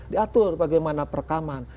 diatur bagaimana perekaman